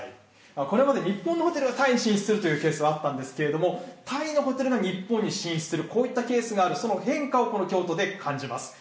これまで日本のホテルがタイに進出するケースはあったんですけれども、タイのホテルが日本に進出する、こういったケースが、この変化を京都で感じます。